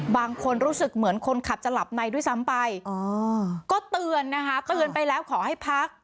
บางคนรู้สึกเหมือนคนขับจะหลับในด้วยซ้ำไปก็เตือนนะคะเตือนไปแล้วขอให้พัก